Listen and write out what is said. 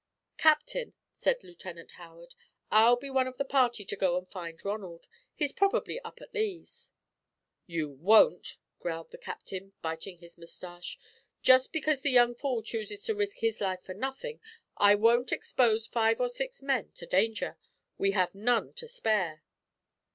"Captain," said Lieutenant Howard, "I'll be one of a party to go and find Ronald. He's probably up at Lee's." "You won't," growled the Captain, biting his mustache. "Just because the young fool chooses to risk his life for nothing, I won't expose five or six men to danger. We have none to spare."